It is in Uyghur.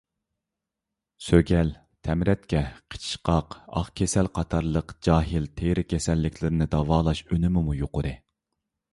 سۆگەل، تەمرەتكە، قىچىشقاق، ئاق كېسەل قاتارلىق جاھىل تېرە كېسەللىكلەرنى داۋالاش ئۈنۈمىمۇ يۇقىرى.